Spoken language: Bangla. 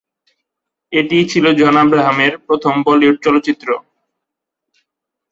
এটিই ছিল জন আব্রাহামের প্রথম বলিউড চলচ্চিত্র।